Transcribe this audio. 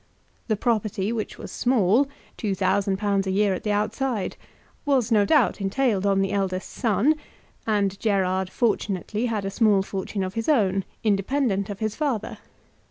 The property, which was small, £2,000 a year at the outside, was, no doubt, entailed on the eldest son; and Gerard, fortunately, had a small fortune of his own, independent of his father.